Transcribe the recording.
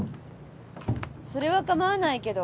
それはかまわないけど。